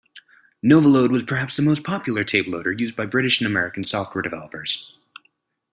Novaload was perhaps the most popular tape-loader used by British and American software developers.